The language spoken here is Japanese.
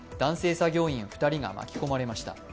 作業員２人が巻き込まれました。